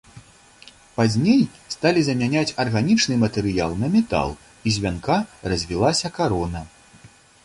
Пазней сталі замяняць арганічны матэрыял на метал, і з вянка развілася карона.